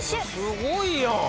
すごいやん！